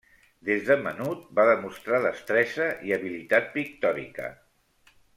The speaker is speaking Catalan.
Des de menut va demostrar destresa i habilitat pictòrica.